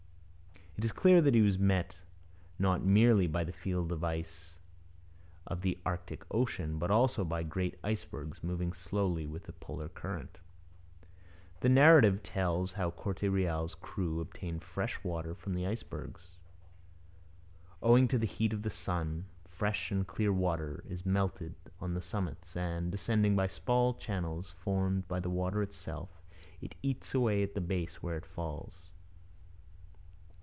It is clear that he was met not merely by the field ice of the Arctic ocean, but also by great icebergs moving slowly with the polar current. The narrative tells how Corte Real's crew obtained fresh water from the icebergs. 'Owing to the heat of the sun, fresh and clear water is melted on the summits, and, descending by small channels formed by the water itself, it eats away the base where it falls.